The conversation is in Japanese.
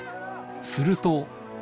すると。